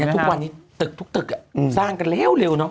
คืนนี้ทุกตึกสร้างกันแล้วเร็วเนอะ